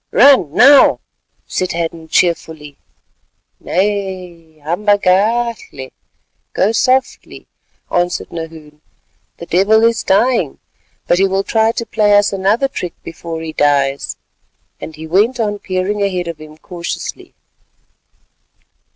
"Run now," said Hadden cheerfully. "Nay, hamba gachle—go softly—" answered Nahoon, "the devil is dying, but he will try to play us another trick before he dies." And he went on peering ahead of him cautiously.